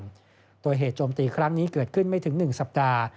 ด้วยเหตุโจมตีครั้งนี้เกิดขึ้นไม่ถึง๑สัปดาห์